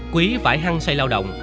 quý phải hăng say lao động